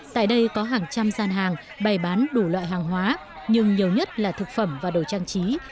tại đây có hàng trăm gian hàng bày bán đủ loại hàng hóa nhưng nhiều nhất là thực phẩm và đồ trang trí